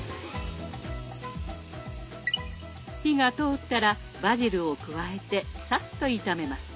火が通ったらバジルを加えてさっと炒めます。